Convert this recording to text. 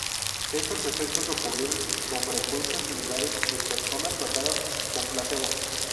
Estos efectos ocurrieron con frecuencias similares en personas tratadas con placebo.